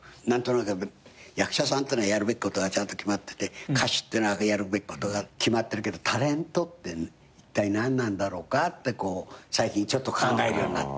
役者さんってのはやるべきことがちゃんと決まってて歌手ってのはやるべきことが決まってるけどタレントっていったい何なんだろうかって最近ちょっと考えるようになって。